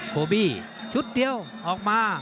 โคบี้ชุดเดียวออกมา